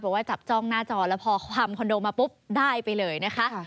ว่าจับจ้องหน้าจอแล้วพอทำคอนโดมาปุ๊บได้ไปเลยนะคะ